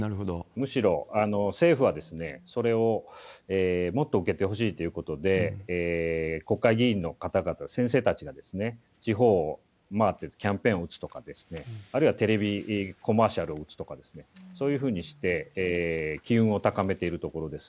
むしろ、政府はそれをもっと受けてほしいということで、国会議員の方々、先生たちが地方を回ってキャンペーンを打つとか、あるいはテレビコマーシャルを打つとか、そういうふうにして機運を高めているところです。